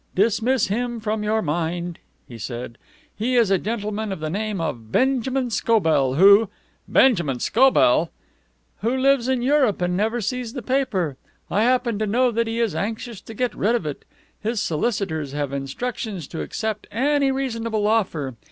"Dismiss him from your mind," he said. "He is a gentleman of the name of Benjamin Scobell, who " "Benjamin Scobell!" "Who lives in Europe and never sees the paper. I happen to know that he is anxious to get rid of it. His solicitors have instructions to accept any reasonable offer.